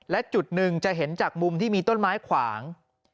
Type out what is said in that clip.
และจุดหนึ่งจะเห็นจากมุมที่มีต้นไม้ขวาง